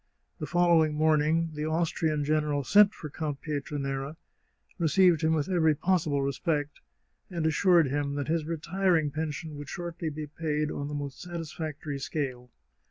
The following morning the Austrian general sent for Count Pietranera, received him with every possible respect, and assured him that his retiring pension would shortly be paid on the most satisfactory scale.